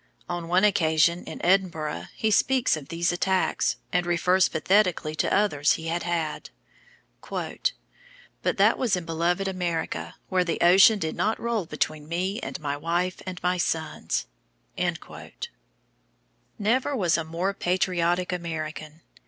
On one occasion in Edinburgh he speaks of these attacks, and refers pathetically to others he had had: "But that was in beloved America, where the ocean did not roll between me and my wife and sons." Never was a more patriotic American.